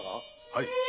はい。